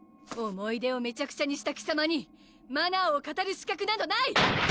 思い出をめちゃくちゃにした貴様にマナーを語る資格などない！